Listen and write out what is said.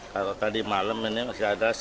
kalau tadi malam ini masih ada